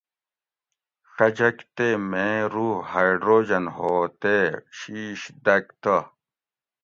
ڛجگ تے میں روح ہائڈروجن ہو تے شیںش دگ تہ